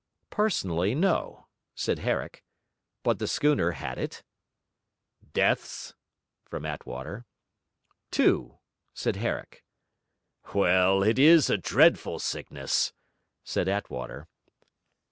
'Personally, no,' said Herrick. 'But the schooner had it.' 'Deaths?' from Attwater. 'Two,' said Herrick. 'Well, it is a dreadful sickness,' said Attwater.